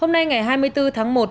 hôm nay ngày hai mươi bốn tháng một